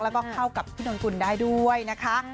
แล้วก็เข้ากับพี่นนกุลได้ด้วยนะคะ